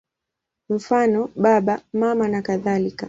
Mfano: Baba, Mama nakadhalika.